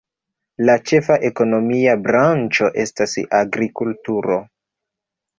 La ĉefa ekonomia branĉo estas agrikulturo.